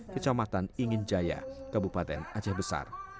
kecamatan ingin jaya kabupaten aceh besar